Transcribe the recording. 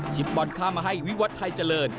บอลข้ามมาให้วิวัตรไทยเจริญ